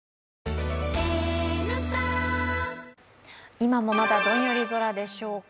今もまだどんより空でしょうか。